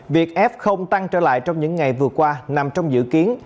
việc f tăng trở lại trong những ngày vừa qua nằm trong dự kiến